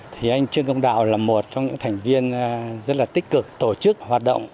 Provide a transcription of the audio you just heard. thì anh trương công đạo là một trong những thành viên rất là tích cực tổ chức hoạt động